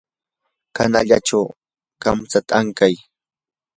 kanalachaw kamtsata ankay.